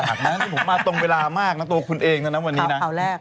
จากนั้นผมมาตรงเวลามากนะตัวคุณเองนะวันนี้นะคราวแรก